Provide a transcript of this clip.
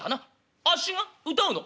「あっちが謡うの？